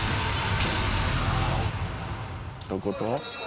どこと？